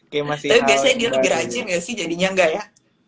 tapi biasanya dia lebih rajin gak sih jadinya enggak ya